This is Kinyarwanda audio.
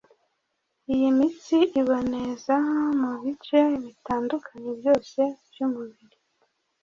iyi mitsi iboneza mu bice bitandukanye byose by’umubiri